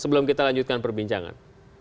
sebelum kita lanjutkan perbincangan